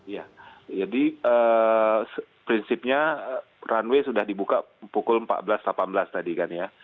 ya jadi prinsipnya runway sudah dibuka pukul empat belas delapan belas tadi kan ya